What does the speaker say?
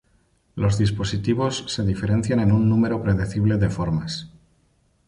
Los dispositivos se diferencian en un número predecible de formas.